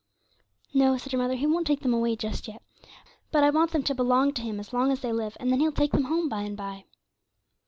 'No,' said her mother, 'He won't take them away just yet; but I want them to belong to Him as long as they live, and then He'll take them home by and by.'